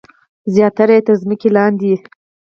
زیاتره یې تر ځمکې لاندې دي.